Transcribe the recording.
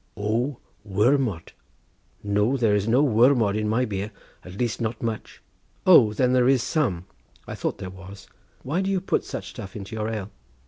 "O, wermod. No, there is no wermod in my beer, at least not much." "O, then there is some; I thought there was. Why do you put such stuff into your ale?"